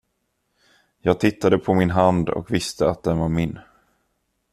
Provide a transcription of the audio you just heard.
Jag tittade på min hand och visste att den var min.